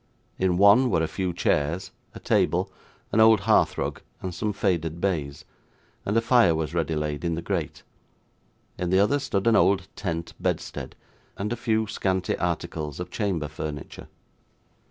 In one, were a few chairs, a table, an old hearth rug, and some faded baize; and a fire was ready laid in the grate. In the other stood an old tent bedstead, and a few scanty articles of chamber furniture.